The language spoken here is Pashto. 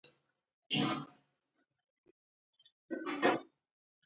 • د ژبې په اړه صراحت او دقت په زیاته اندازه د اهمیت وړ دی.